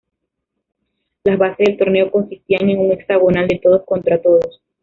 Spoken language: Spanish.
Las bases del torneo consistían en un hexagonal de todos contra todos.